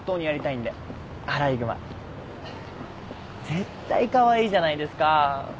絶対カワイイじゃないですか。